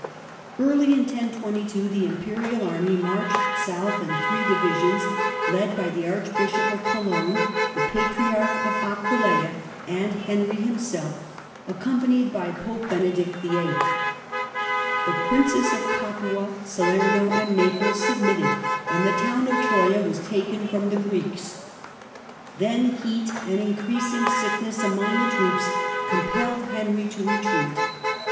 Early in 1022 the imperial army marched south in three divisions, led by the Arch Iishop of Cologne, the Patriarch of .Aquileia, and Henry imself, accompanied by Pope Benedict VIII. The rinces of Capua, Salerno, and Naples submitted, and he town of Troja was taken from the Greeks. Then eat and increasing sickness among the troops compelled lenry to retreat.